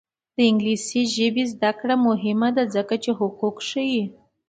د انګلیسي ژبې زده کړه مهمه ده ځکه چې حقوق ښيي.